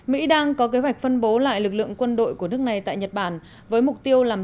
mỹ đang có kế hoạch phân bố lại lực lượng quân đội của nước này tại nhật bản với mục tiêu làm